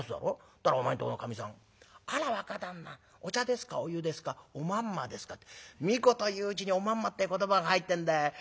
ったらお前んとこのかみさん『あら若旦那お茶ですかお湯ですかおまんまですか』って三言言ううちにおまんまって言葉が入ってんだ。